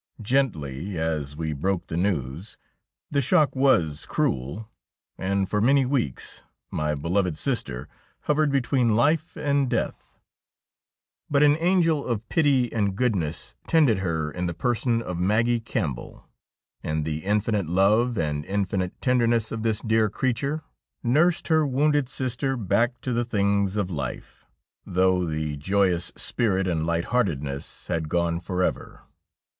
Gently as we broke the news, the shock was cruel, and for many weeks my beloved sister hovered between life and death. But an angel of pity and goodness tended her in the person of Maggie Campbell, and the infinite love and infinite tenderness of this dear creature nursed her wounded sister back to the things of life, though the joyous spirit and light heartedness had gone for ever.